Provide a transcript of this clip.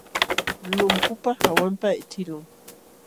Lunkupa hawanpaq ićhiqlun.